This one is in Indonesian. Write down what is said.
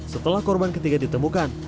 setelah korban ketiga ditemukan